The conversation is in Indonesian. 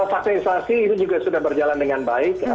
vaksinasi itu juga sudah berjalan dengan baik